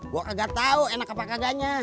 gua kagak tau enak apa kagaknya